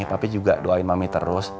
tapi juga doain mami terus